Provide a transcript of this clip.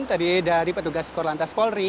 tadi dari petugas korlantas polri